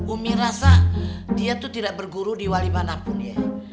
umi rasa dia itu tidak berguru di wali manapun ya